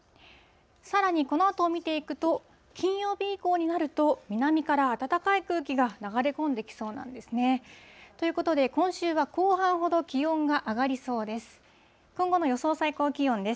さらにこのあとを見ていくと、金曜日以降になると、南から暖かい空気が流れ込んできそうなんですね。ということで、今週は後半ほど気温が上がりそうです。